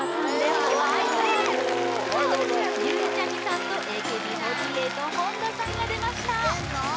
はいどうぞゆうちゃみさんとＡＫＢ４８本田さんが出ましたいけんの？